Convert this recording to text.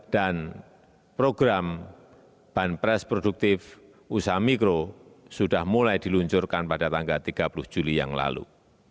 dan program banpres produktif usaha mikro sudah mulai diluncurkan pada tanggal tiga puluh juli yang lalu